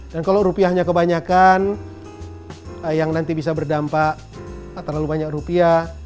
dan kalau rupiahnya kebanyakan yang nanti bisa berdampak terlalu banyak rupiah